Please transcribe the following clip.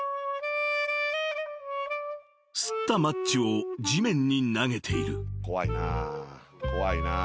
［擦ったマッチを地面に投げている］